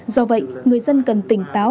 do vậy người dân cần tỉnh táo